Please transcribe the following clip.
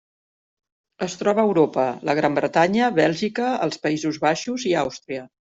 Es troba a Europa: la Gran Bretanya, Bèlgica, els Països Baixos i Àustria.